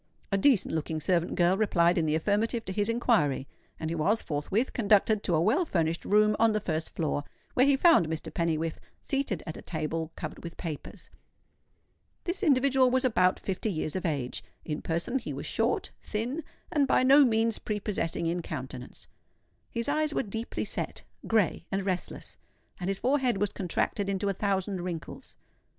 A decent looking servant girl replied in the affirmative to his inquiry; and he was forthwith conducted to a well furnished room on the first floor, where he found Mr. Pennywhiffe seated at a table covered with papers. This individual was about fifty years of age. In person he was short, thin, and by no means prepossessing in countenance. His eyes were deeply set, grey, and restless; and his forehead was contracted into a thousand wrinkles.